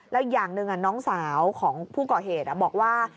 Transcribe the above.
แล้วอย่างหนึ่งน้องสาวของผู้ก่อเหตุบอกว่า